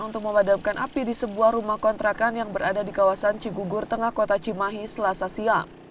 untuk memadamkan api di sebuah rumah kontrakan yang berada di kawasan cigugur tengah kota cimahi selasa siang